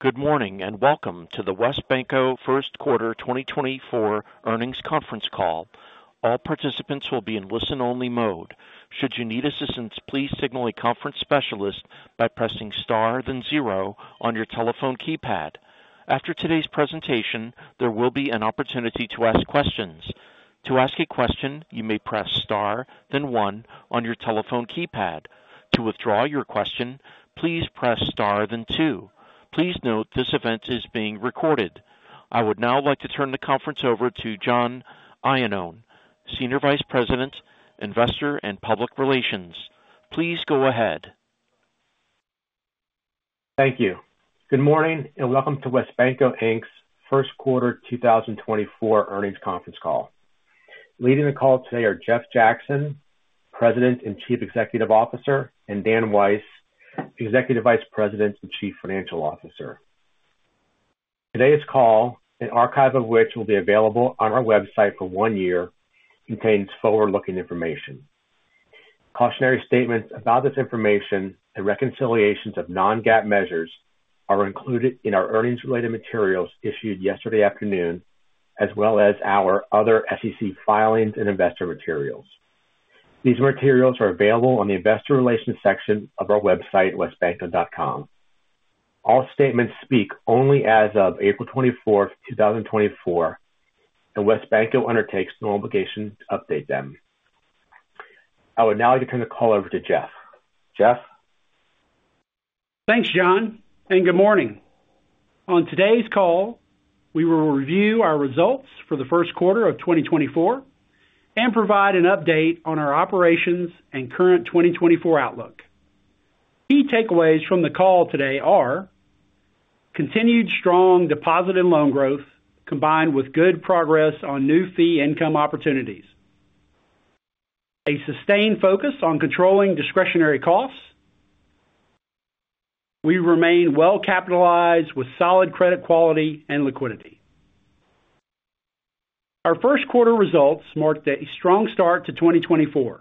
Good morning and welcome to the WesBanco Q1 2024 Earnings Conference Call. All participants will be in listen-only mode. Should you need assistance, please signal a conference specialist by pressing star then zero on your telephone keypad. After today's presentation, there will be an opportunity to ask questions. To ask a question, you may press star then one on your telephone keypad. To withdraw your question, please press star then two. Please note this event is being recorded. I would now like to turn the conference over to John Iannone, Senior Vice President, Investor and Public Relations. Please go ahead. Thank you. Good morning and welcome to WesBanco Inc.'s Q1 2024 Earnings Conference Call. Leading the call today are Jeff Jackson, President and Chief Executive Officer, and Dan Weiss, Executive Vice President and Chief Financial Officer. Today's call, an archive of which will be available on our website for 1 year, contains forward-looking information. Cautionary statements about this information and reconciliations of non-GAAP measures are included in our earnings-related materials issued yesterday afternoon, as well as our other SEC filings and investor materials. These materials are available on the Investor Relations section of our website, wesbanco.com. All statements speak only as of April 24th, 2024, and WesBanco undertakes no obligation to update them. I would now like to turn the call over to Jeff. Jeff? Thanks, John, and good morning. On today's call, we will review our results for the Q1 of 2024 and provide an update on our operations and current 2024 outlook. Key takeaways from the call today are: continued strong deposit and loan growth combined with good progress on new fee income opportunities. A sustained focus on controlling discretionary costs. We remain well-capitalized with solid credit quality and liquidity. Our Q1 results marked a strong start to 2024.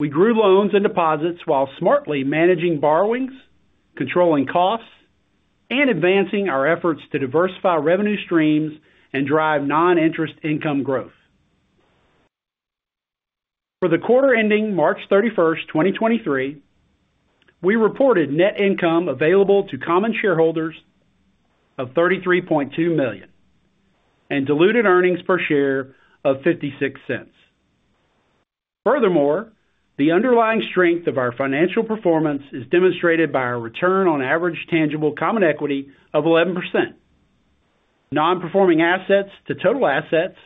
We grew loans and deposits while smartly managing borrowings, controlling costs, and advancing our efforts to diversify revenue streams and drive non-interest income growth. For the quarter ending March 31st, 2023, we reported net income available to common shareholders of $33.2 million and diluted earnings per share of $0.56. Furthermore, the underlying strength of our financial performance is demonstrated by our return on average tangible common equity of 11%, non-performing assets to total assets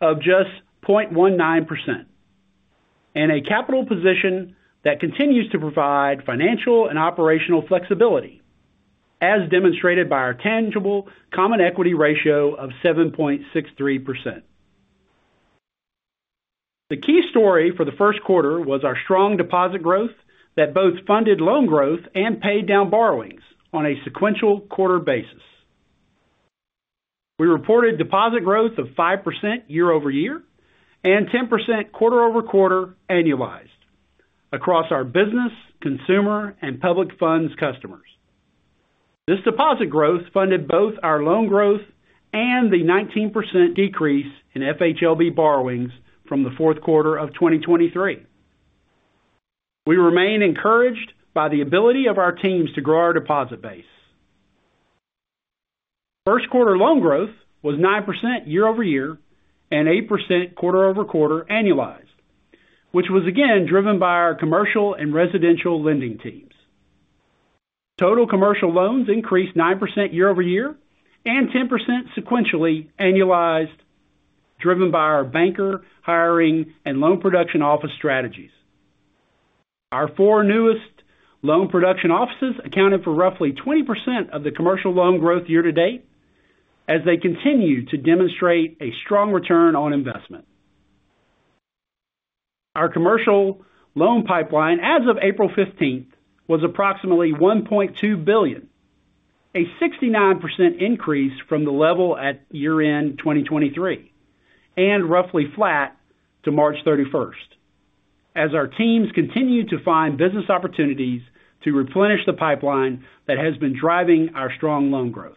of just 0.19%, and a capital position that continues to provide financial and operational flexibility, as demonstrated by our tangible common equity ratio of 7.63%. The key story for the Q1 was our strong deposit growth that both funded loan growth and paid down borrowings on a sequential quarter basis. We reported deposit growth of 5% year-over-year and 10% quarter-over-quarter annualized across our business, consumer, and public funds customers. This deposit growth funded both our loan growth and the 19% decrease in FHLB borrowings from the Q4 of 2023. We remain encouraged by the ability of our teams to grow our deposit base. Q1 loan growth was 9% year-over-year and 8% quarter-over-quarter annualized, which was again driven by our commercial and residential lending teams. Total commercial loans increased 9% year-over-year and 10% sequentially annualized, driven by our banker hiring and loan production office strategies. Our four newest loan production offices accounted for roughly 20% of the commercial loan growth year to date, as they continue to demonstrate a strong return on investment. Our commercial loan pipeline as of April 15th was approximately $1.2 billion, a 69% increase from the level at year-end 2023 and roughly flat to March 31st, as our teams continue to find business opportunities to replenish the pipeline that has been driving our strong loan growth.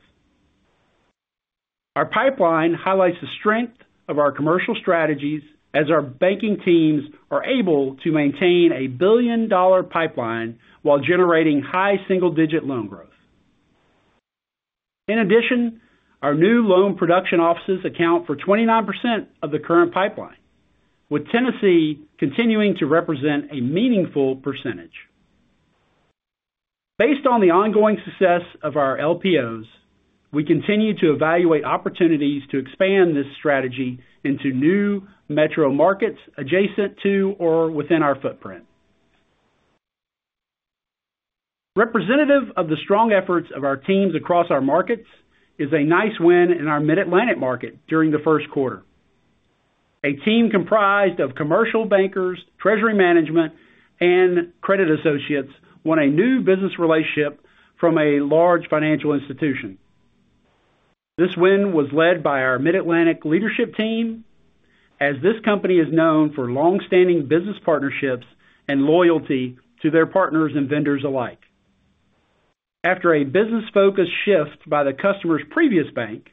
Our pipeline highlights the strength of our commercial strategies, as our banking teams are able to maintain a billion-dollar pipeline while generating high single-digit loan growth. In addition, our new loan production offices account for 29% of the current pipeline, with Tennessee continuing to represent a meaningful percentage. Based on the ongoing success of our LPOs, we continue to evaluate opportunities to expand this strategy into new metro markets adjacent to or within our footprint. Representative of the strong efforts of our teams across our markets is a nice win in our Mid-Atlantic market during the Q1. A team comprised of commercial bankers, treasury management, and credit associates won a new business relationship from a large financial institution. This win was led by our Mid-Atlantic leadership team, as this company is known for longstanding business partnerships and loyalty to their partners and vendors alike. After a business-focused shift by the customer's previous bank,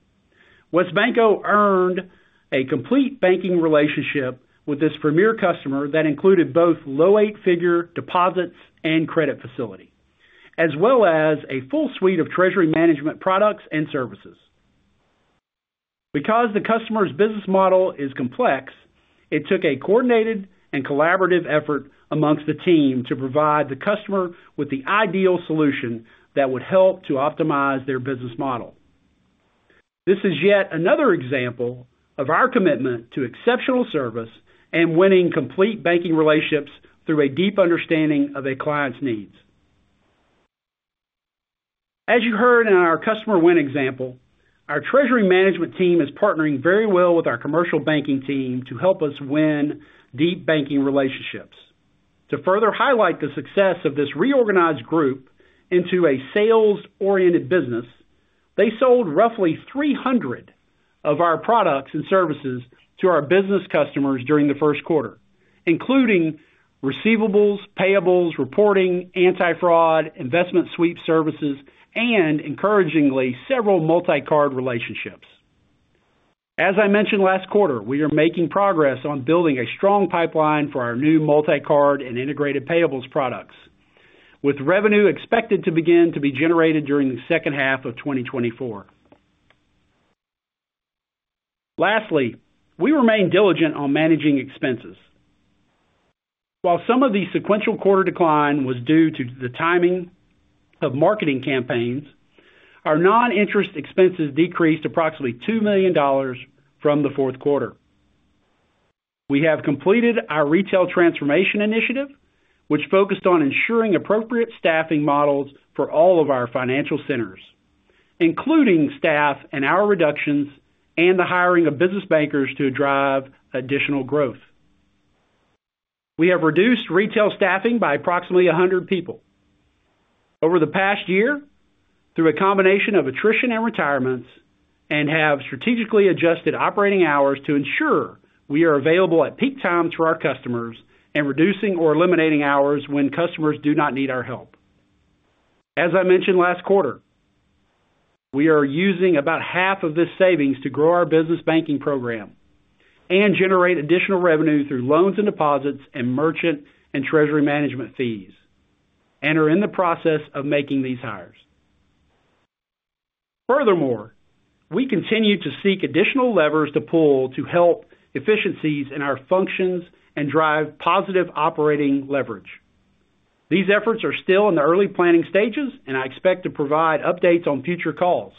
WesBanco earned a complete banking relationship with this premier customer that included both low eight-figure deposits and credit facility, as well as a full suite of treasury management products and services. Because the customer's business model is complex, it took a coordinated and collaborative effort amongst the team to provide the customer with the ideal solution that would help to optimize their business model. This is yet another example of our commitment to exceptional service and winning complete banking relationships through a deep understanding of a client's needs. As you heard in our customer-win example, our treasury management team is partnering very well with our commercial banking team to help us win deep banking relationships. To further highlight the success of this reorganized group into a sales-oriented business, they sold roughly 300 of our products and services to our business customers during the Q1, including receivables, payables, reporting, anti-fraud, investment sweep services, and encouragingly several multi-card relationships. As I mentioned last quarter, we are making progress on building a strong pipeline for our new multi-card and integrated payables products, with revenue expected to begin to be generated during the second half of 2024. Lastly, we remain diligent on managing expenses. While some of the sequential quarter decline was due to the timing of marketing campaigns, our non-interest expenses decreased approximately $2 million from the Q4. We have completed our retail transformation initiative, which focused on ensuring appropriate staffing models for all of our financial centers, including staff and hour reductions and the hiring of business bankers to drive additional growth. We have reduced retail staffing by approximately 100 people over the past year through a combination of attrition and retirements and have strategically adjusted operating hours to ensure we are available at peak times for our customers and reducing or eliminating hours when customers do not need our help. As I mentioned last quarter, we are using about half of this savings to grow our business banking program and generate additional revenue through loans and deposits and merchant and treasury management fees and are in the process of making these hires. Furthermore, we continue to seek additional levers to pull to help efficiencies in our functions and drive positive operating leverage. These efforts are still in the early planning stages, and I expect to provide updates on future calls.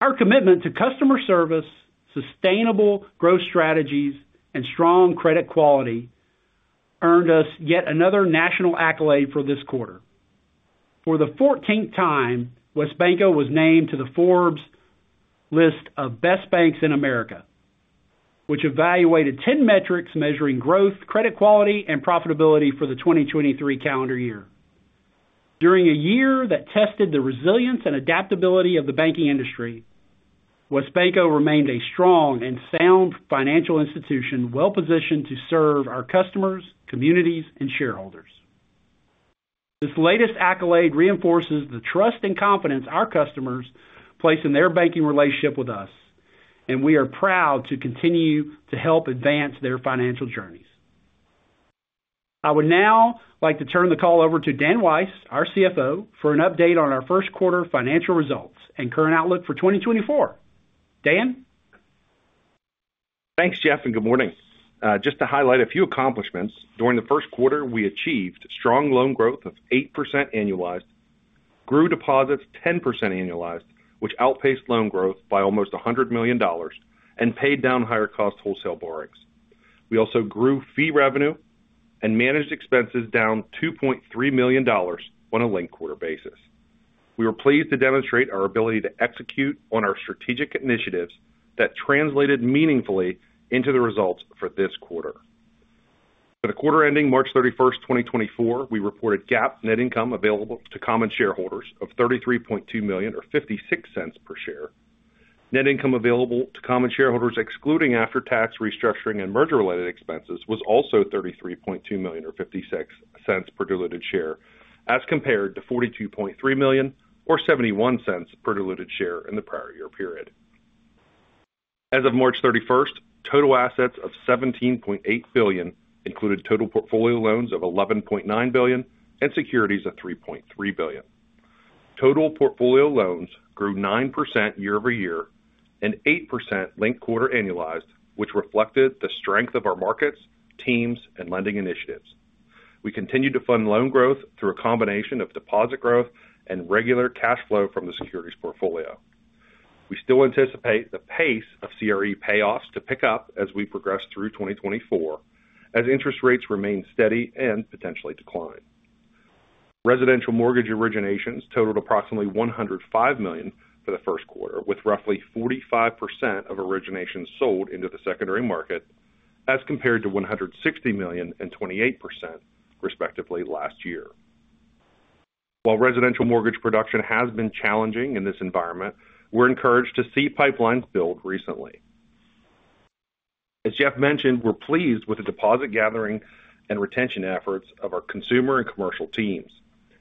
Our commitment to customer service, sustainable growth strategies, and strong credit quality earned us yet another national accolade for this quarter. For the 14th time, WesBanco was named to the Forbes list of best banks in America, which evaluated 10 metrics measuring growth, credit quality, and profitability for the 2023 calendar year. During a year that tested the resilience and adaptability of the banking industry, WesBanco remained a strong and sound financial institution well-positioned to serve our customers, communities, and shareholders. This latest accolade reinforces the trust and confidence our customers place in their banking relationship with us, and we are proud to continue to help advance their financial journeys. I would now like to turn the call over to Dan Weiss, our CFO, for an update on our Q1 financial results and current outlook for 2024. Dan? Thanks, Jeff, and good morning. Just to highlight a few accomplishments: during the Q1, we achieved strong loan growth of 8% annualized, grew deposits 10% annualized, which outpaced loan growth by almost $100 million, and paid down higher-cost wholesale borrowings. We also grew fee revenue and managed expenses down $2.3 million on a link quarter basis. We were pleased to demonstrate our ability to execute on our strategic initiatives that translated meaningfully into the results for this quarter. For the quarter ending March 31st, 2024, we reported GAAP net income available to common shareholders of $33.2 million or $0.56 per share. Net income available to common shareholders excluding after-tax restructuring and merger-related expenses was also $33.2 million or $0.56 per diluted share, as compared to $42.3 million or $0.71 per diluted share in the prior year period. As of March 31st, total assets of $17.8 billion included total portfolio loans of $11.9 billion and securities of $3.3 billion. Total portfolio loans grew 9% year-over-year and 8% linked-quarter annualized, which reflected the strength of our markets, teams, and lending initiatives. We continue to fund loan growth through a combination of deposit growth and regular cash flow from the securities portfolio. We still anticipate the pace of CRE payoffs to pick up as we progress through 2024, as interest rates remain steady and potentially decline. Residential mortgage originations totaled approximately $105 million for the Q1, with roughly 45% of originations sold into the secondary market, as compared to $160 million and 28%, respectively, last year. While residential mortgage production has been challenging in this environment, we're encouraged to see pipelines build recently. As Jeff mentioned, we're pleased with the deposit gathering and retention efforts of our consumer and commercial teams,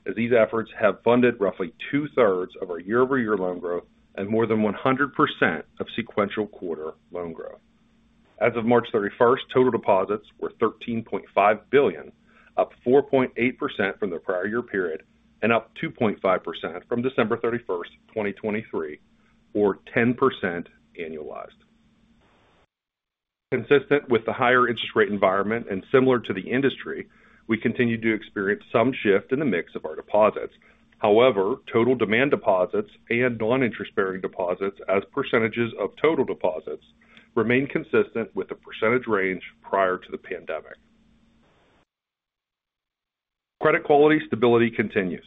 as these efforts have funded roughly two-thirds of our year-over-year loan growth and more than 100% of sequential quarter loan growth. As of March 31st, total deposits were $13.5 billion, up 4.8% from the prior year period and up 2.5% from December 31st, 2023, or 10% annualized. Consistent with the higher interest rate environment and similar to the industry, we continue to experience some shift in the mix of our deposits. However, total demand deposits and non-interest-bearing deposits as percentages of total deposits remain consistent with the percentage range prior to the pandemic. Credit quality stability continues.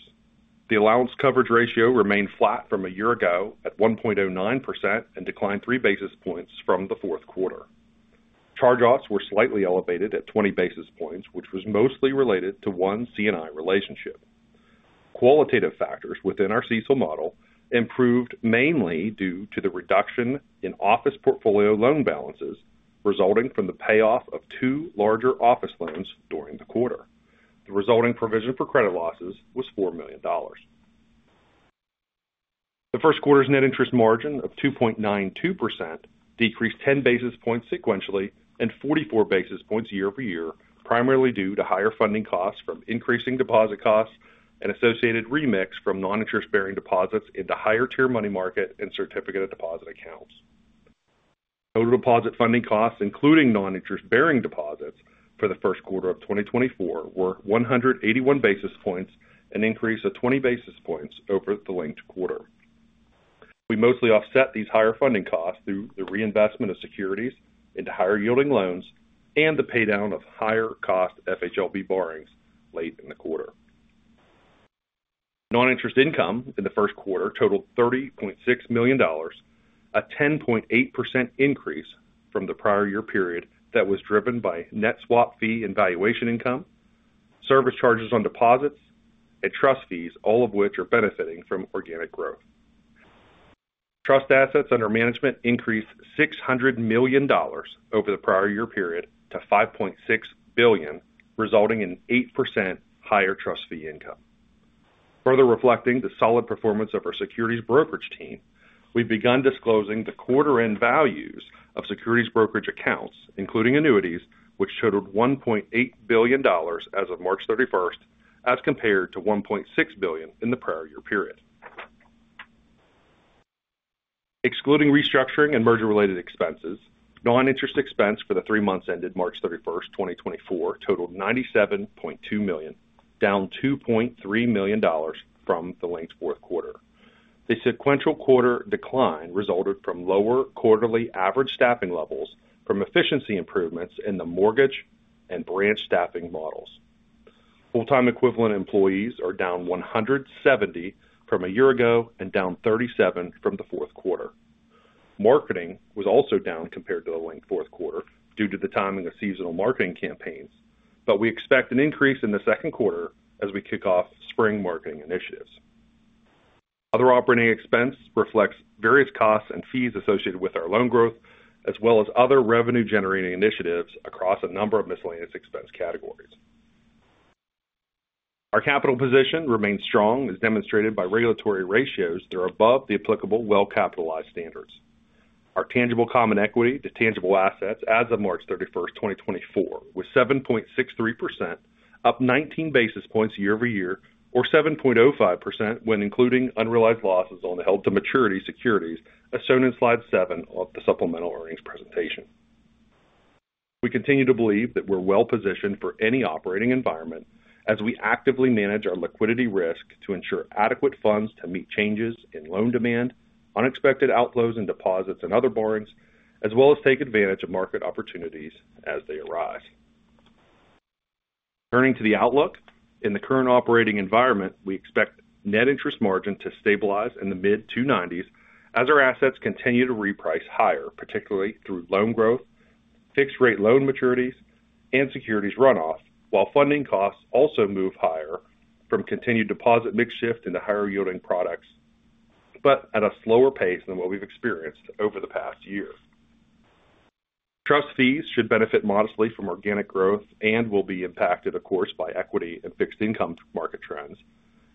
The allowance-coverage ratio remained flat from a year ago at 1.09% and declined three basis points from the Q4. Charge-offs were slightly elevated at 20 basis points, which was mostly related to one CNI relationship. Qualitative factors within our CECL model improved mainly due to the reduction in office portfolio loan balances resulting from the payoff of two larger office loans during the quarter. The resulting provision for credit losses was $4 million. The Q1's net interest margin of 2.92% decreased 10 basis points sequentially and 44 basis points year-over-year, primarily due to higher funding costs from increasing deposit costs and associated remix from non-interest-bearing deposits into higher-tier money market and certificate-of-deposit accounts. Total deposit funding costs, including non-interest-bearing deposits, for the Q1 of 2024 were 181 basis points, an increase of 20 basis points over the linked quarter. We mostly offset these higher funding costs through the reinvestment of securities into higher-yielding loans and the paydown of higher-cost FHLB borrowings late in the quarter. Non-interest income in the Q1 totaled $30.6 million, a 10.8% increase from the prior year period that was driven by net swap fee and valuation income, service charges on deposits, and trust fees, all of which are benefiting from organic growth. Trust assets under management increased $600 million over the prior year period to $5.6 billion, resulting in 8% higher trust fee income. Further reflecting the solid performance of our securities brokerage team, we've begun disclosing the quarter-end values of securities brokerage accounts, including annuities, which totaled $1.8 billion as of March 31st, as compared to $1.6 billion in the prior year period. Excluding restructuring and merger-related expenses, non-interest expense for the 3 months ended March 31st, 2024, totaled $97.2 million, down $2.3 million from the linked Q4. The sequential quarter decline resulted from lower quarterly average staffing levels from efficiency improvements in the mortgage and branch staffing models. Full-time equivalent employees are down 170 from a year ago and down 37 from the Q4. Marketing was also down compared to the linked Q4 due to the timing of seasonal marketing campaigns, but we expect an increase in the Q2 as we kick off spring marketing initiatives. Other operating expense reflects various costs and fees associated with our loan growth, as well as other revenue-generating initiatives across a number of miscellaneous expense categories. Our capital position remains strong, as demonstrated by regulatory ratios that are above the applicable well-capitalized standards. Our tangible common equity to tangible assets as of March 31st, 2024, was 7.63%, up 19 basis points year-over-year, or 7.05% when including unrealized losses on the held-to-maturity securities, as shown in slide seven of the supplemental earnings presentation. We continue to believe that we're well-positioned for any operating environment as we actively manage our liquidity risk to ensure adequate funds to meet changes in loan demand, unexpected outflows in deposits and other borrowings, as well as take advantage of market opportunities as they arise. Turning to the outlook, in the current operating environment, we expect net interest margin to stabilize in the mid-290s as our assets continue to reprice higher, particularly through loan growth, fixed-rate loan maturities, and securities runoff, while funding costs also move higher from continued deposit mix shift into higher-yielding products but at a slower pace than what we've experienced over the past year. Trust fees should benefit modestly from organic growth and will be impacted, of course, by equity and fixed-income market trends.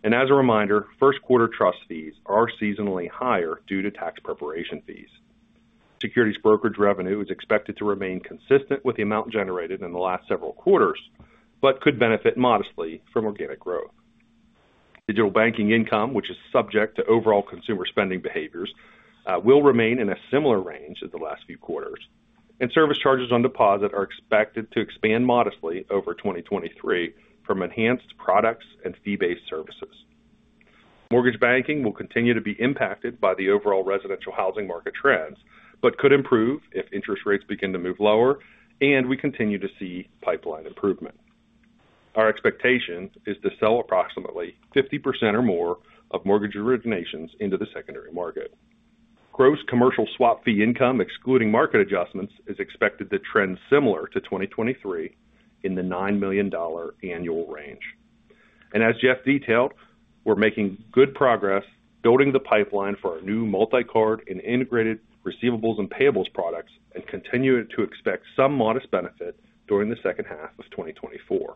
As a reminder, Q1 trust fees are seasonally higher due to tax preparation fees. Securities brokerage revenue is expected to remain consistent with the amount generated in the last several quarters but could benefit modestly from organic growth. Digital banking income, which is subject to overall consumer spending behaviors, will remain in a similar range in the last few quarters, and service charges on deposit are expected to expand modestly over 2023 from enhanced products and fee-based services. Mortgage banking will continue to be impacted by the overall residential housing market trends but could improve if interest rates begin to move lower and we continue to see pipeline improvement. Our expectation is to sell approximately 50% or more of mortgage originations into the secondary market. Gross commercial swap fee income, excluding market adjustments, is expected to trend similar to 2023 in the $9 million annual range. As Jeff detailed, we're making good progress building the pipeline for our new multi-card and integrated receivables and payables products and continue to expect some modest benefit during the second half of 2024.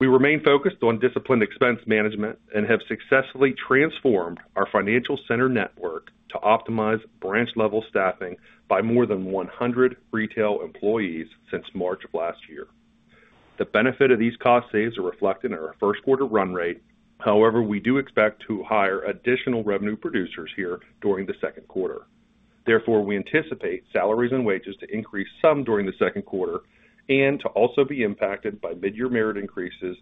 We remain focused on disciplined expense management and have successfully transformed our financial center network to optimize branch-level staffing by more than 100 retail employees since March of last year. The benefit of these cost saves is reflected in our Q1 run rate. However, we do expect to hire additional revenue producers here during the Q2. Therefore, we anticipate salaries and wages to increase some during the Q2 and to also be impacted by mid-year merit increases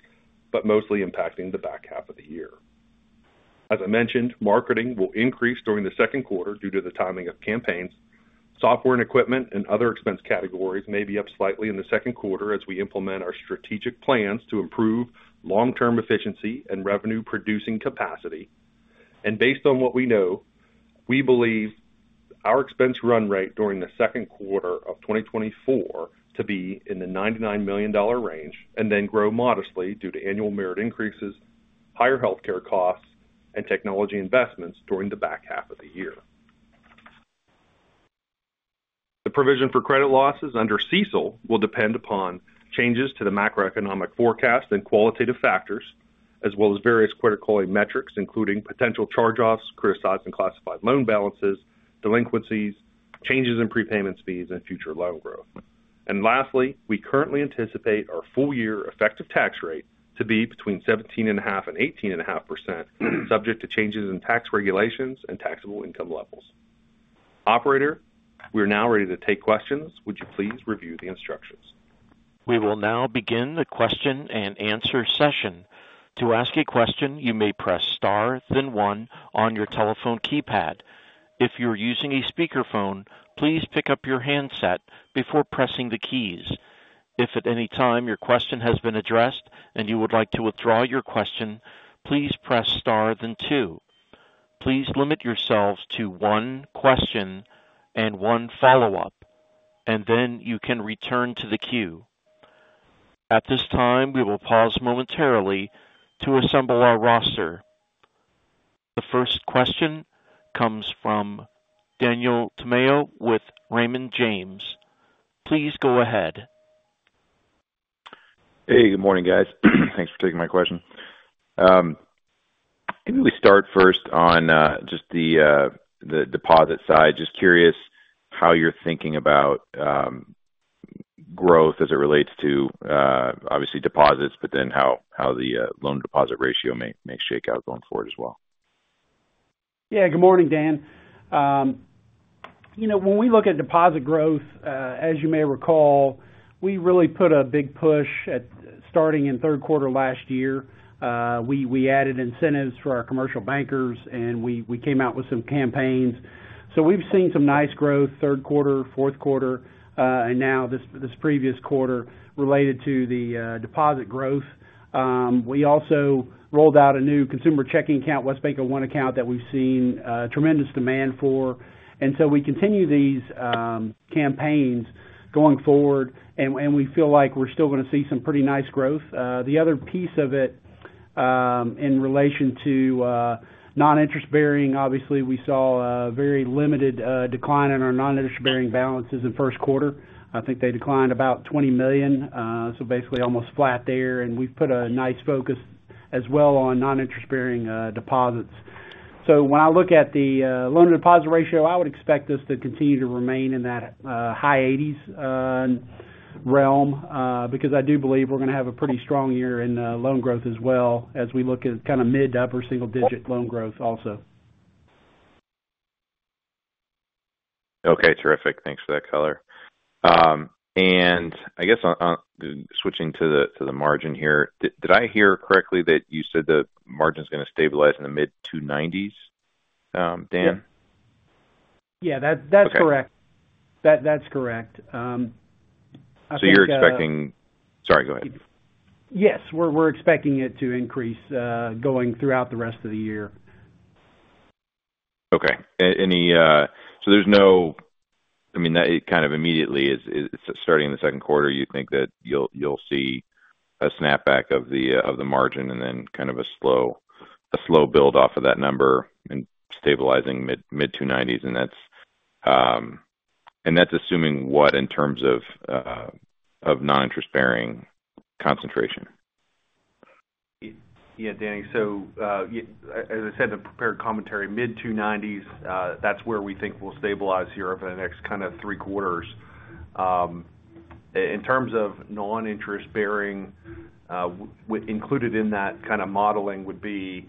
but mostly impacting the back half of the year. As I mentioned, marketing will increase during the Q2 due to the timing of campaigns. Software and equipment and other expense categories may be up slightly in the Q2 as we implement our strategic plans to improve long-term efficiency and revenue-producing capacity. Based on what we know, we believe our expense run rate during the Q2 of 2024 to be in the $99 million range and then grow modestly due to annual merit increases, higher healthcare costs, and technology investments during the back half of the year. The provision for credit losses under CECL will depend upon changes to the macroeconomic forecast and qualitative factors, as well as various credit quality metrics, including potential charge-offs, criticized and classified loan balances, delinquencies, changes in prepayment fees, and future loan growth. Lastly, we currently anticipate our full-year effective tax rate to be between 17.5% to 18.5%, subject to changes in tax regulations and taxable income levels. Operator, we are now ready to take questions. Would you please review the instructions? We will now begin the Q&A session. To ask a question, you may press star, then one on your telephone keypad. If you're using a speakerphone, please pick up your handset before pressing the keys. If at any time your question has been addressed and you would like to withdraw your question, please press star, then two. Please limit yourselves to one question and one follow-up, and then you can return to the queue. At this time, we will pause momentarily to assemble our roster. The first question comes from Daniel Tamayo with Raymond James. Please go ahead. Hey, good morning, guys. Thanks for taking my question. Maybe we start first on just the deposit side. Just curious how you're thinking about growth as it relates to, obviously, deposits, but then how the loan-to-deposit ratio may shake out going forward as well? Yeah, good morning, Dan. When we look at deposit growth, as you may recall, we really put a big push starting in Q3 last year. We added incentives for our commercial bankers, and we came out with some campaigns. So we've seen some nice growth Q3, Q4, and now this previous quarter related to the deposit growth. We also rolled out a new consumer checking account, WesBanco One Account, that we've seen tremendous demand for. And so we continue these campaigns going forward, and we feel like we're still going to see some pretty nice growth. The other piece of it in relation to non-interest-bearing, obviously, we saw a very limited decline in our non-interest-bearing balances in Q1. I think they declined about $20 million, so basically almost flat there. And we've put a nice focus as well on non-interest-bearing deposits. When I look at the loan-to-deposit ratio, I would expect this to continue to remain in that high 80s realm because I do believe we're going to have a pretty strong year in loan growth as well as we look at kind of mid- to upper-single-digit loan growth also. Okay, terrific. Thanks for that color. And I guess switching to the margin here, did I hear correctly that you said the margin's going to stabilize in the mid-290s, Dan? Yeah. Yeah, that's correct. That's correct. I think that. So, you're expecting, sorry. Go ahead. Yes, we're expecting it to increase going throughout the rest of the year. Okay. So there's no, I mean, it kind of immediately is starting in the Q2, you think that you'll see a snapback of the margin and then kind of a slow build-off of that number and stabilizing mid-290s. And that's assuming what in terms of non-interest-bearing concentration? Yeah, Danny. So as I said in the prepared commentary, mid-290s, that's where we think we'll stabilize here over the next kind of three quarters. In terms of non-interest-bearing, included in that kind of modeling would be,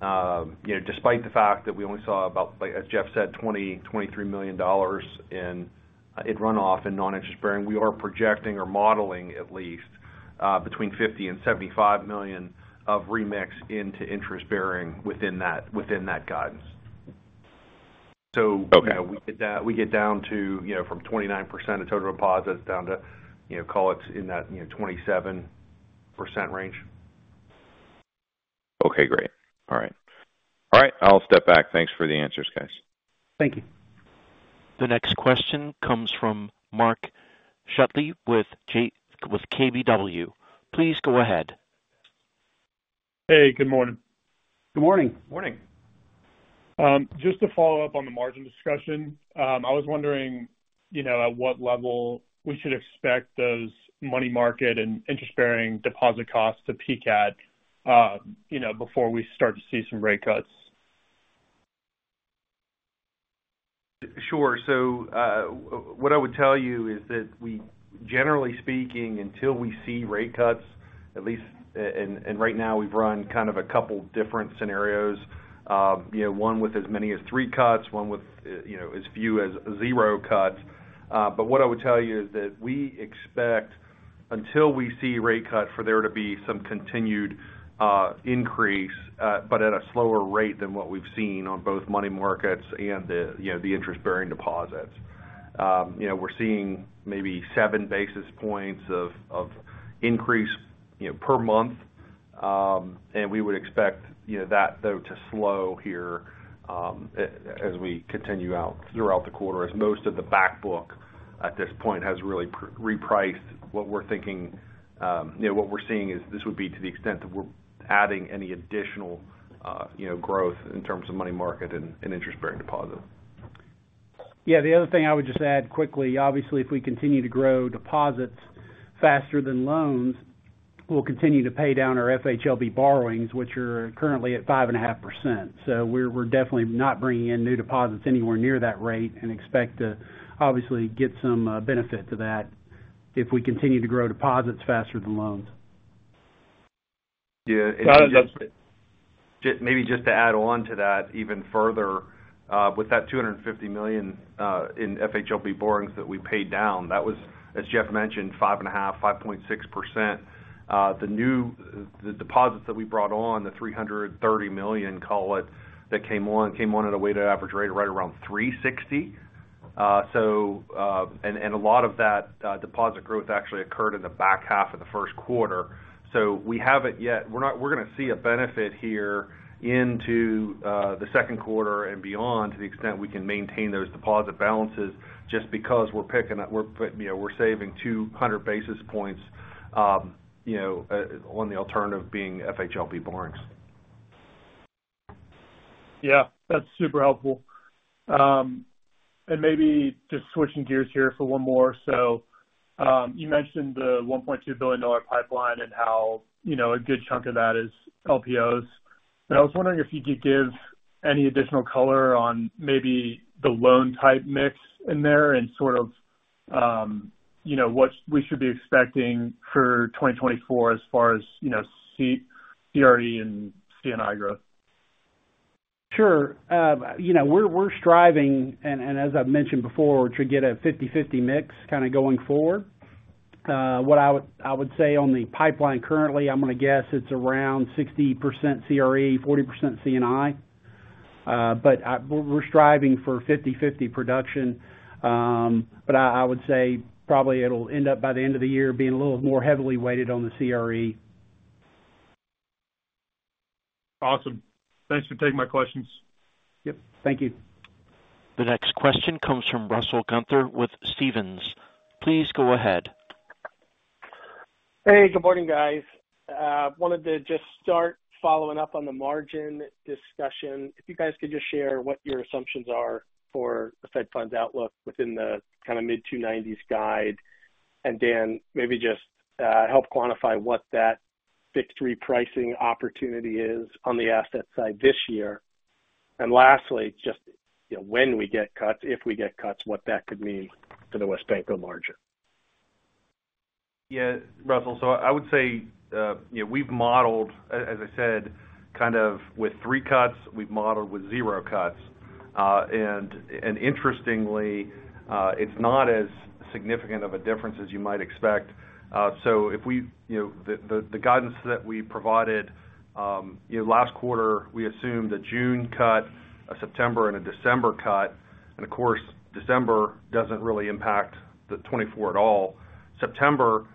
despite the fact that we only saw about, as Jeff said, $20million to 23 million in runoff in non-interest-bearing, we are projecting or modeling, at least, between $50 million and $75 million of remix into interest-bearing within that guidance. So we get down to from 29% of total deposits down to, call it, in that 27% range. Okay, great. All right. All right, I'll step back. Thanks for the answers, guys. Thank you. The next question comes from Mark Shutley with KBW. Please go ahead. Hey, good morning. Good morning. Morning. Just to follow up on the margin discussion, I was wondering at what level we should expect those money market and interest-bearing deposit costs to peak at before we start to see some rate cuts? Sure. So what I would tell you is that we, generally speaking, until we see rate cuts, at least and right now, we've run kind of a couple different scenarios, one with as many as three cuts, one with as few as zero cuts. But what I would tell you is that we expect, until we see a rate cut, for there to be some continued increase, but at a slower rate than what we've seen on both money markets and the interest-bearing deposits. We're seeing maybe 7 basis points of increase per month, and we would expect that, though, to slow here as we continue out throughout the quarter, as most of the backbook at this point has really repriced what we're thinking what we're seeing is this would be to the extent that we're adding any additional growth in terms of money market and interest-bearing deposits. Yeah, the other thing I would just add quickly, obviously, if we continue to grow deposits faster than loans, we'll continue to pay down our FHLB borrowings, which are currently at 5.5%. So we're definitely not bringing in new deposits anywhere near that rate and expect to, obviously, get some benefit to that if we continue to grow deposits faster than loans. Yeah, and maybe just to add on to that even further, with that $250 million in FHLB borrowings that we paid down, that was, as Jeff mentioned, 5.5% to 5.6%. The new deposits that we brought on, the $330 million, call it, that came on, came on at a weighted average rate of right around 3.60%. And a lot of that deposit growth actually occurred in the back half of the Q1. So we haven't yet we're going to see a benefit here into the Q2 and beyond to the extent we can maintain those deposit balances just because we're picking we're saving 200 basis points on the alternative being FHLB borrowings. Yeah, that's super helpful. And maybe just switching gears here for one more. So you mentioned the $1.2 billion pipeline and how a good chunk of that is LPOs. And I was wondering if you could give any additional color on maybe the loan-type mix in there and sort of what we should be expecting for 2024 as far as CRE and CNI growth. Sure. We're striving, and as I've mentioned before, to get a 50/50 mix kind of going forward. What I would say on the pipeline currently, I'm going to guess it's around 60% CRE, 40% CNI. But we're striving for 50/50 production. But I would say probably it'll end up, by the end of the year, being a little more heavily weighted on the CRE. Awesome. Thanks for taking my questions. Yep, thank you. The next question comes from Russell Gunther with Stephens. Please go ahead. Hey, good morning, guys. I wanted to just start following up on the margin discussion. If you guys could just share what your assumptions are for the Fed Funds Outlook within the kind of mid-290s guide. And Dan, maybe just help quantify what that fixed-rate pricing opportunity is on the asset side this year. And lastly, just when we get cuts, if we get cuts, what that could mean for the WesBanco margin? Yeah, Russell, so I would say we've modeled, as I said, kind of with three cuts. We've modeled with zero cuts. Interestingly, it's not as significant of a difference as you might expect. So the guidance that we provided last quarter, we assumed a June cut, a September, and a December cut. Of course, December doesn't really impact the 2024 at all. September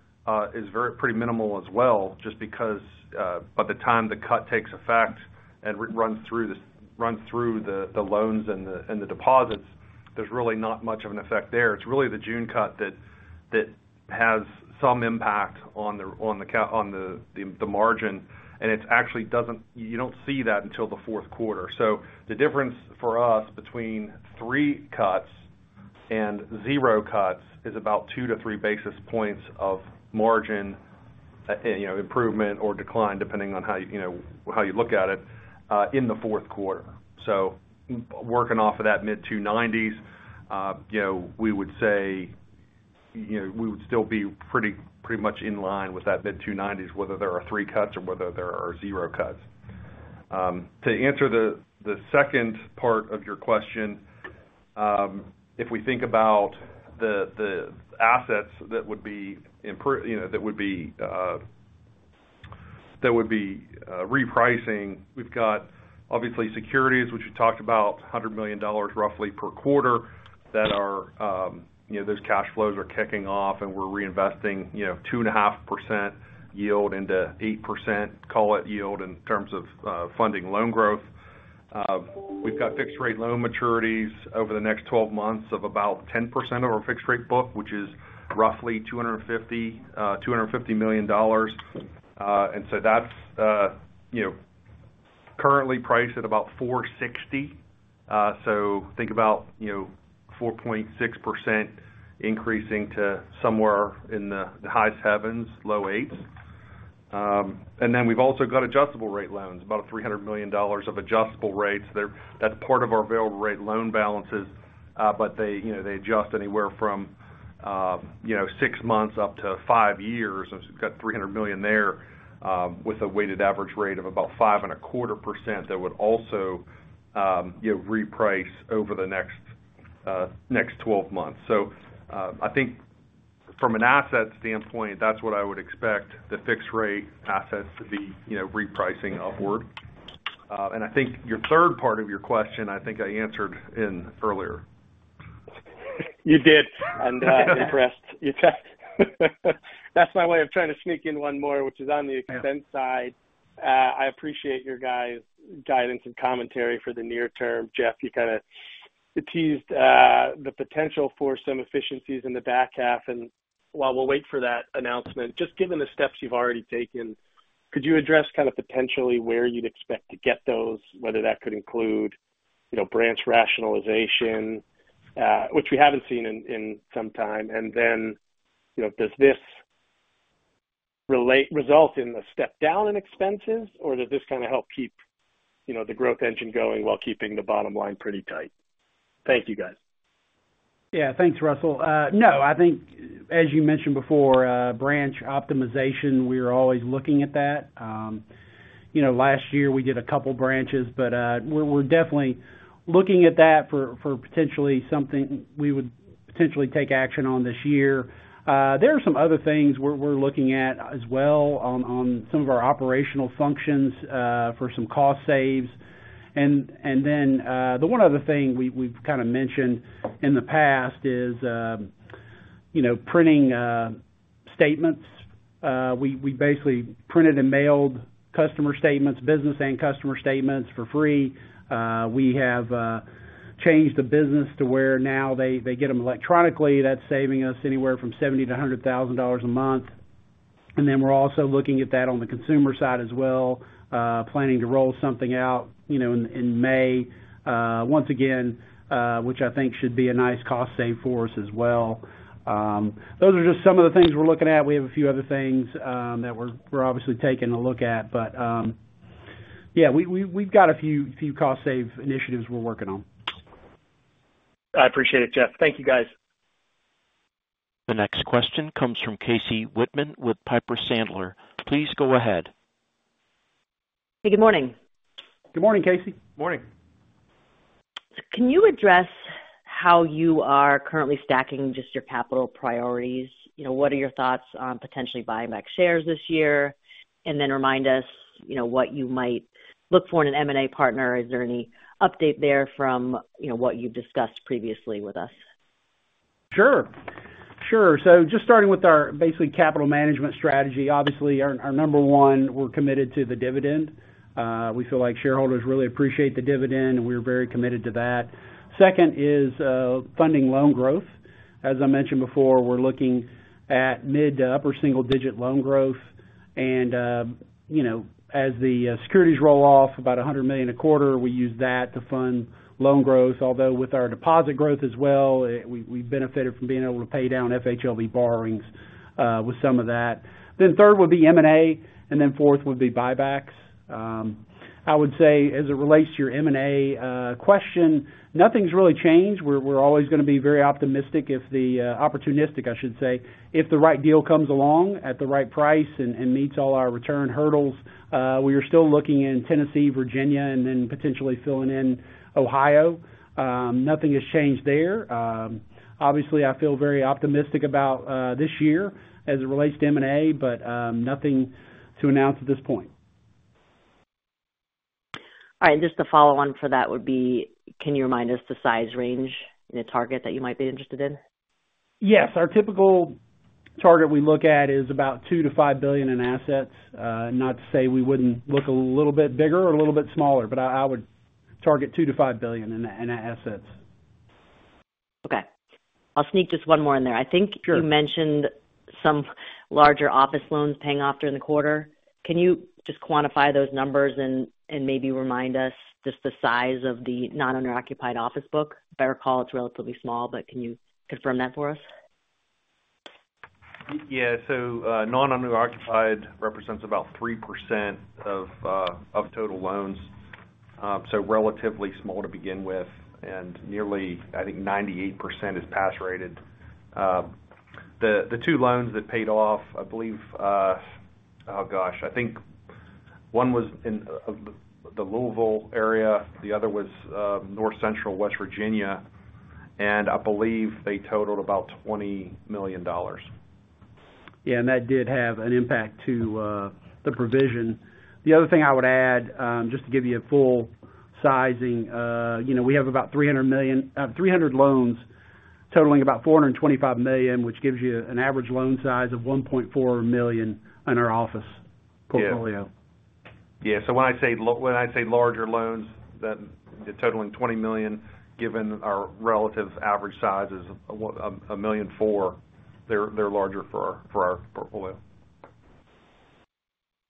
is pretty minimal as well just because by the time the cut takes effect and runs through the loans and the deposits, there's really not much of an effect there. It's really the June cut that has some impact on the margin. It actually doesn't. You don't see that until the Q4. So the difference for us between three cuts and zero cuts is about 2 to 3 basis points of margin improvement or decline, depending on how you look at it, in the Q4. So working off of that mid-290s, we would say we would still be pretty much in line with that mid-290s, whether there are three cuts or whether there are zero cuts. To answer the second part of your question, if we think about the assets that would be repricing, we've got, obviously, securities, which you talked about, $100 million roughly per quarter that are those cash flows are kicking off, and we're reinvesting 2.5% yield into 8%, call it, yield in terms of funding loan growth. We've got fixed-rate loan maturities over the next 12 months of about 10% of our fixed-rate book, which is roughly $250 million. That's currently priced at about 460. So think about 4.6% increasing to somewhere in the high 70s, low 8s. Then we've also got adjustable-rate loans, about $300 million of adjustable rates. That's part of our variable-rate loan balances, but they adjust anywhere from 6 months up to 5 years. We've got $300 million there with a weighted average rate of about 5.25% that would also reprice over the next 12 months. I think from an asset standpoint, that's what I would expect, the fixed-rate assets to be repricing upward. I think your third part of your question, I think I answered earlier. You did, and impressed. That's my way of trying to sneak in one more, which is on the expense side. I appreciate your guys' guidance and commentary for the near term. Jeff, you kind of teased the potential for some efficiencies in the back half. And while we'll wait for that announcement, just given the steps you've already taken, could you address kind of potentially where you'd expect to get those, whether that could include branch rationalization, which we haven't seen in some time? And then does this result in a step down in expenses, or does this kind of help keep the growth engine going while keeping the bottom line pretty tight? Thank you, guys. Yeah, thanks, Russell. No, I think, as you mentioned before, branch optimization, we're always looking at that. Last year, we did a couple branches, but we're definitely looking at that for potentially something we would potentially take action on this year. There are some other things we're looking at as well on some of our operational functions for some cost saves. And then the one other thing we've kind of mentioned in the past is printing statements. We basically printed and mailed customer statements, business and customer statements, for free. We have changed the business to where now they get them electronically. That's saving us anywhere from $70,000 to 100,000 a month. And then we're also looking at that on the consumer side as well, planning to roll something out in May, once again, which I think should be a nice cost save for us as well. Those are just some of the things we're looking at. We have a few other things that we're obviously taking a look at. But yeah, we've got a few cost save initiatives we're working on. I appreciate it, Jeff. Thank you, guys. The next question comes from Casey Whitman with Piper Sandler. Please go ahead. Hey, good morning. Good morning, Casey. Morning. Can you address how you are currently stacking just your capital priorities? What are your thoughts on potentially buying back shares this year? And then remind us what you might look for in an M&A partner. Is there any update there from what you've discussed previously with us? Sure. Sure. So just starting with our basically capital management strategy, obviously, our number one, we're committed to the dividend. We feel like shareholders really appreciate the dividend, and we're very committed to that. Second is funding loan growth. As I mentioned before, we're looking at mid- to upper single-digit loan growth. And as the securities roll off, about $100 million a quarter, we use that to fund loan growth, although with our deposit growth as well, we've benefited from being able to pay down FHLB borrowings with some of that. Then third would be M&A, and then fourth would be buybacks. I would say, as it relates to your M&A question, nothing's really changed. We're always going to be very optimistic if the opportunistic, I should say, if the right deal comes along at the right price and meets all our return hurdles, we are still looking in Tennessee, Virginia, and then potentially filling in Ohio. Nothing has changed there. Obviously, I feel very optimistic about this year as it relates to M&A, but nothing to announce at this point. All right. Just a follow-on for that would be, can you remind us the size range in a target that you might be interested in? Yes. Our typical target we look at is about $2 billion to 5 billion in assets. Not to say we wouldn't look a little bit bigger or a little bit smaller, but I would target $2 billion to 5 billion in assets. Okay. I'll sneak just one more in there. I think you mentioned some larger office loans paying off during the quarter. Can you just quantify those numbers and maybe remind us just the size of the non-owner-occupied office book? If I recall, it's relatively small, but can you confirm that for us? Yeah. So non-owner-occupied represents about 3% of total loans, so relatively small to begin with. And nearly, I think, 98% is pass-rated. The two loans that paid off, I believe oh, gosh. I think one was in the Louisville area. The other was North Central, West Virginia. And I believe they totaled about $20 million. Yeah, and that did have an impact to the provision. The other thing I would add, just to give you a full sizing, we have about $300 million loans totaling about $425 million, which gives you an average loan size of $1.4 million in our office portfolio. Yeah. So when I say larger loans, the totaling $20 million, given our relative average size is $1.04 million, they're larger for our portfolio.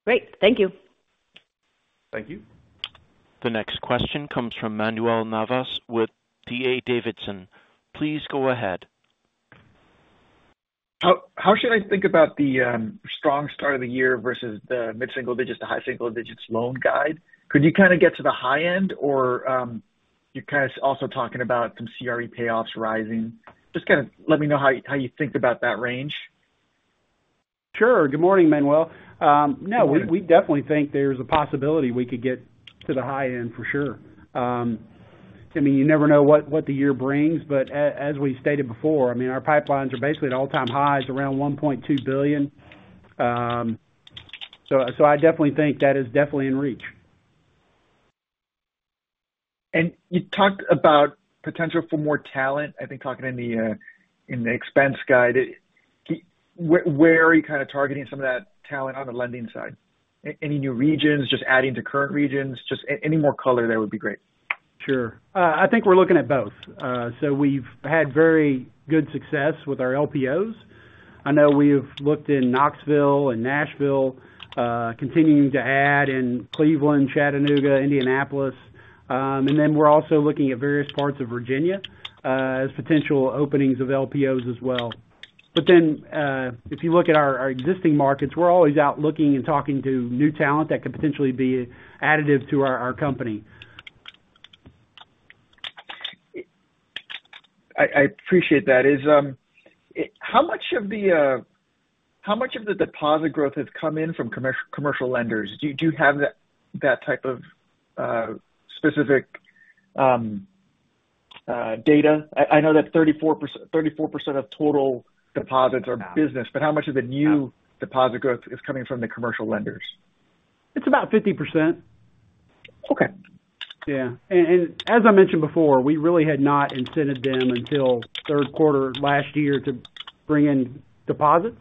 Great. Thank you. Thank you. The next question comes from Manuel Navas with D.A. Davidson. Please go ahead. How should I think about the strong start of the year versus the mid-single digits, the high-single digits loan guide? Could you kind of get to the high end, or you're kind of also talking about some CRE payoffs rising. Just kind of let me know how you think about that range. Sure. Good morning, Manuel. No, we definitely think there's a possibility we could get to the high end, for sure. I mean, you never know what the year brings. But as we stated before, I mean, our pipelines are basically at all-time highs around $1.2 billion. So I definitely think that is definitely in reach. You talked about potential for more talent, I think, talking in the expense guide. Where are you kind of targeting some of that talent on the lending side? Any new regions, just adding to current regions? Just any more color there would be great. Sure. I think we're looking at both. So we've had very good success with our LPOs. I know we've looked in Knoxville and Nashville, continuing to add in Cleveland, Chattanooga, Indianapolis. And then we're also looking at various parts of Virginia as potential openings of LPOs as well. But then if you look at our existing markets, we're always out looking and talking to new talent that could potentially be additive to our company. I appreciate that. How much of the deposit growth has come in from commercial lenders? Do you have that type of specific data? I know that 34% of total deposits are business, but how much of the new deposit growth is coming from the commercial lenders? It's about 50%. Okay. Yeah. And as I mentioned before, we really had not incented them until Q3 last year to bring in deposits.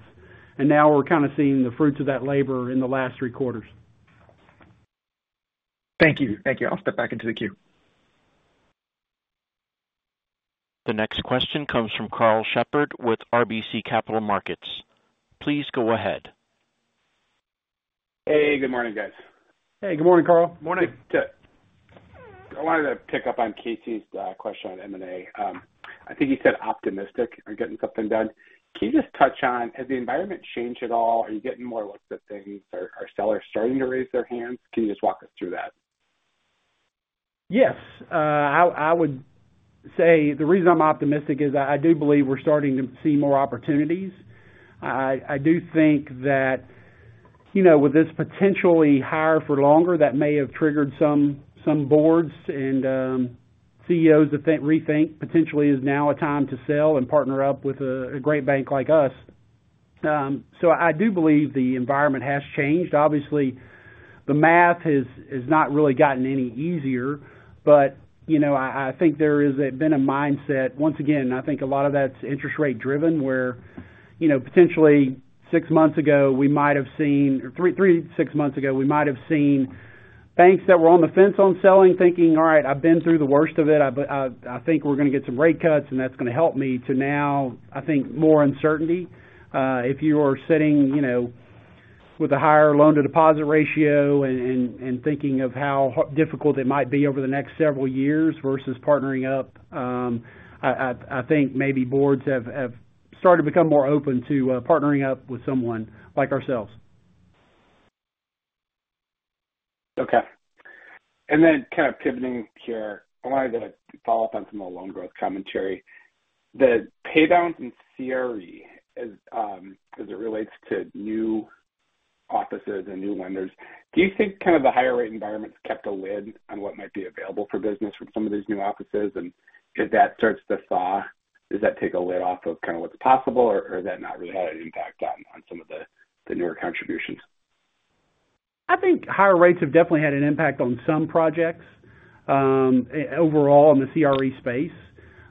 And now we're kind of seeing the fruits of that labor in the last three quarters. Thank you. Thank you. I'll step back into the queue. The next question comes from Karl Shepard with RBC Capital Markets. Please go ahead. Hey, good morning, guys. Hey, good morning, Carl. Morning. I wanted to pick up on Casey's question on M&A. I think he said optimistic or getting something done. Can you just touch on, has the environment changed at all? Are you getting more looks at things? Are sellers starting to raise their hands? Can you just walk us through that? Yes. I would say the reason I'm optimistic is I do believe we're starting to see more opportunities. I do think that with this potentially higher for longer, that may have triggered some boards and CEOs to rethink, "Potentially is now a time to sell and partner up with a great bank like us." So I do believe the environment has changed. Obviously, the math has not really gotten any easier, but I think there has been a mindset. Once again, I think a lot of that's interest-rate driven, where potentially 6 months ago, we might have seen, 6 months ago, we might have seen banks that were on the fence on selling, thinking, "All right, I've been through the worst of it. I think we're going to get some rate cuts, and that's going to help me," to now, I think, more uncertainty. If you are sitting with a higher loan-to-deposit ratio and thinking of how difficult it might be over the next several years versus partnering up, I think maybe boards have started to become more open to partnering up with someone like ourselves. Okay. Then kind of pivoting here, I wanted to follow up on some of the loan growth commentary. The paydowns in CRE, as it relates to new offices and new lenders, do you think kind of the higher-rate environment's kept a lid on what might be available for business from some of these new offices? And if that starts to thaw, does that take a lid off of kind of what's possible, or has that not really had an impact on some of the newer contributions? I think higher rates have definitely had an impact on some projects overall in the CRE space.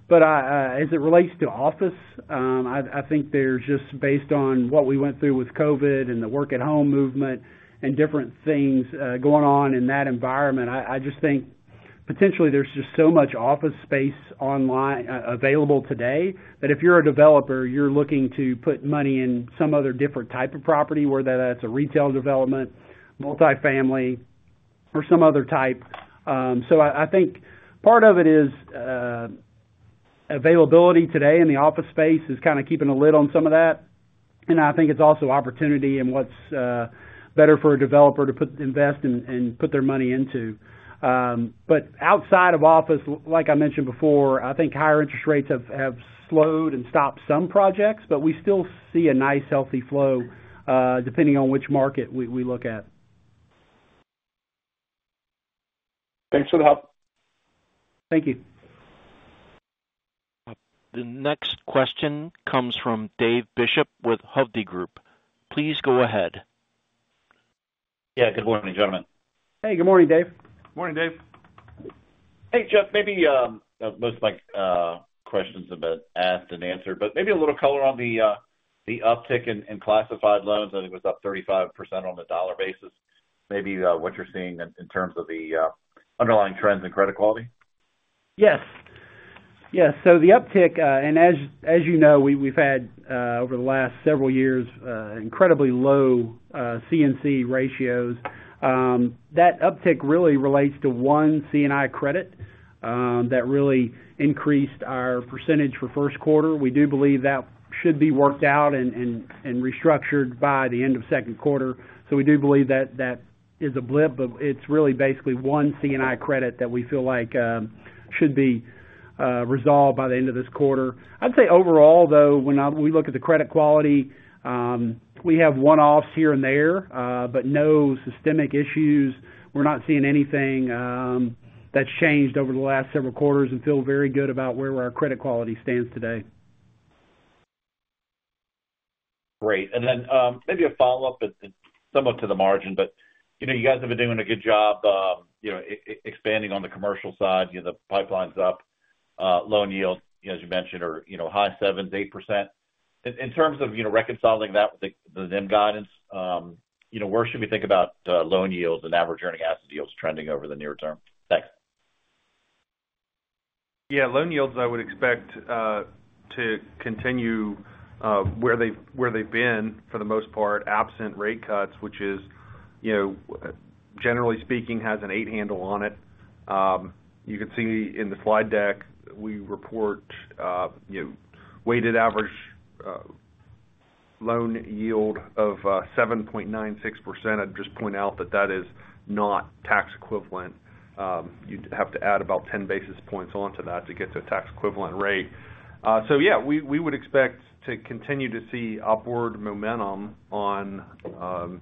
But as it relates to office, I think there's just based on what we went through with COVID and the work-at-home movement and different things going on in that environment, I just think potentially there's just so much office space online available today that if you're a developer, you're looking to put money in some other different type of property, whether that's a retail development, multifamily, or some other type. So I think part of it is availability today in the office space is kind of keeping a lid on some of that. And I think it's also opportunity and what's better for a developer to invest and put their money into. But outside of office, like I mentioned before, I think higher interest rates have slowed and stopped some projects, but we still see a nice, healthy flow depending on which market we look at. Thanks for the help. Thank you. The next question comes from Dave Bishop with Hovde Group. Please go ahead. Yeah. Good morning, gentlemen. Hey, good morning, Dave. Morning, Dave. Hey, Jeff. Maybe most of my questions have been asked and answered, but maybe a little color on the uptick in classified loans. I think it was up 35% on a dollar basis. Maybe what you're seeing in terms of the underlying trends in credit quality? Yes. Yes. So the uptick, and as you know, we've had over the last several years incredibly low CNI ratios. That uptick really relates to one CNI credit that really increased our percentage for Q1. We do believe that should be worked out and restructured by the end of Q2. So we do believe that is a blip, but it's really basically one CNI credit that we feel like should be resolved by the end of this quarter. I'd say overall, though, when we look at the credit quality, we have one-offs here and there, but no systemic issues. We're not seeing anything that's changed over the last several quarters and feel very good about where our credit quality stands today. Great. And then maybe a follow-up somewhat to the margin, but you guys have been doing a good job expanding on the commercial side. The pipeline's up. Loan yields, as you mentioned, are high sevens, 8%. In terms of reconciling that with the NIM guidance, where should we think about loan yields and average earning asset yields trending over the near term? Thanks. Yeah. Loan yields, I would expect to continue where they've been for the most part, absent rate cuts, which is, generally speaking, has an eight handle on it. You can see in the slide deck, we report weighted average loan yield of 7.96%. I'd just point out that that is not tax equivalent. You'd have to add about 10 basis points onto that to get to a tax equivalent rate. So yeah, we would expect to continue to see upward momentum on average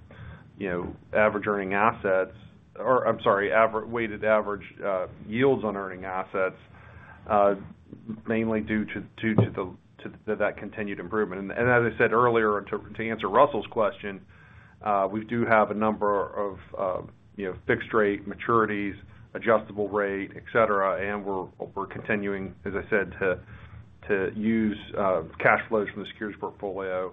earning assets or I'm sorry, weighted average yields on earning assets, mainly due to that continued improvement. And as I said earlier, to answer Russell's question, we do have a number of fixed-rate maturities, adjustable rate, etc., and we're continuing, as I said, to use cash flows from the securities portfolio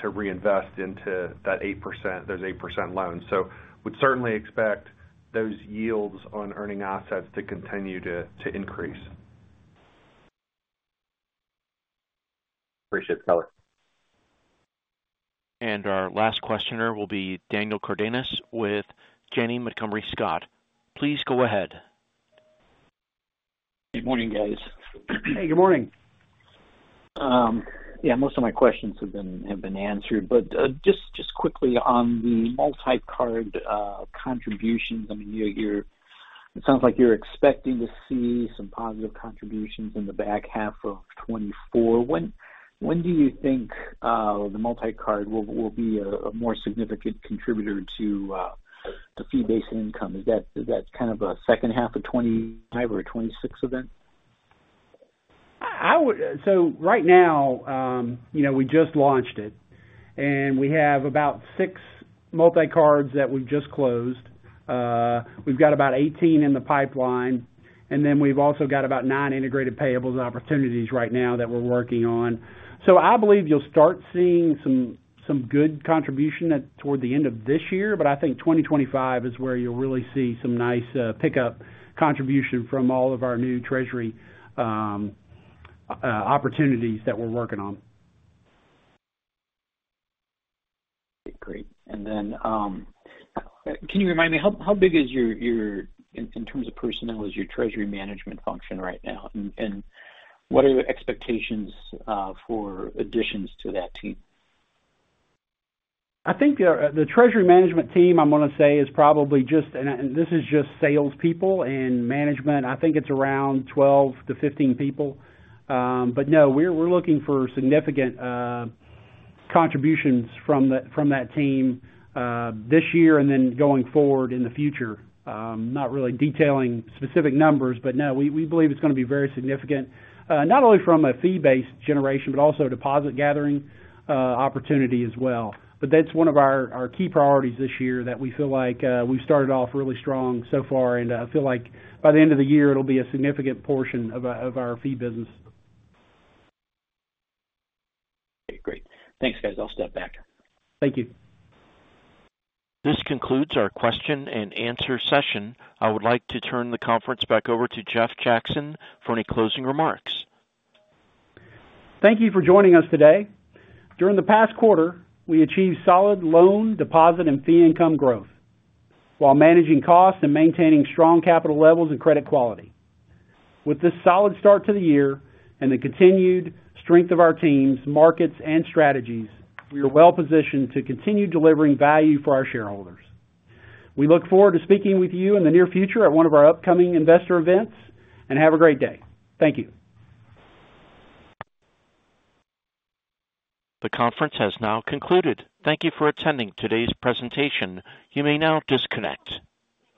to reinvest into that 8%. There's 8% loans. So we'd certainly expect those yields on earning assets to continue to increase. Appreciate it, Keller. Our last questioner will be Daniel Cardenas with Janney Montgomery Scott. Please go ahead. Good morning, guys. Hey, good morning. Yeah, most of my questions have been answered. But just quickly on the multi-card contributions, I mean, it sounds like you're expecting to see some positive contributions in the back half of 2024. When do you think the multi-card will be a more significant contributor to fee-based income? Is that kind of a second half of 2025 or a 2026 event? So right now, we just launched it, and we have about six multi-cards that we've just closed. We've got about 18 in the pipeline, and then we've also got about nine integrated payables opportunities right now that we're working on. So I believe you'll start seeing some good contribution toward the end of this year, but I think 2025 is where you'll really see some nice pickup contribution from all of our new treasury opportunities that we're working on. Great. And then, can you remind me how big your treasury management function is in terms of personnel right now? And what are the expectations for additions to that team? I think the treasury management team, I'm going to say, is probably just, and this is just salespeople and management. I think it's around 12 to 15 people. But no, we're looking for significant contributions from that team this year and then going forward in the future. I'm not really detailing specific numbers, but no, we believe it's going to be very significant, not only from a fee-based generation, but also a deposit-gathering opportunity as well. But that's one of our key priorities this year that we feel like we've started off really strong so far, and I feel like by the end of the year, it'll be a significant portion of our fee business. Great. Thanks, guys. I'll step back. Thank you. This concludes our Q&A session. I would like to turn the conference back over to Jeff Jackson for any closing remarks. Thank you for joining us today. During the past quarter, we achieved solid loan, deposit, and fee income growth while managing costs and maintaining strong capital levels and credit quality. With this solid start to the year and the continued strength of our teams, markets, and strategies, we are well-positioned to continue delivering value for our shareholders. We look forward to speaking with you in the near future at one of our upcoming investor events and have a great day. Thank you. The conference has now concluded. Thank you for attending today's presentation. You may now disconnect.